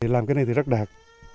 làm cái này thì rất đẹp